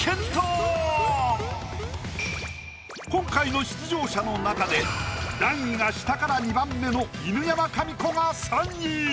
今回の出場者の中で段位が下から２番目の犬山紙子が３位。